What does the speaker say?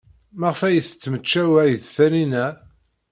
Maɣef ay temmecčaw ed Taninna?